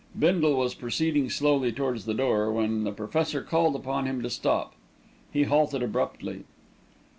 Bindle was proceeding slowly towards the door, when the Professor called upon him to stop. He halted abruptly.